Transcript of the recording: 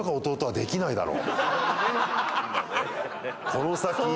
この先。